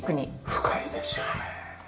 深いですよね。